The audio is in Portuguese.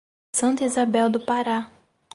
Santa Izabel do Pará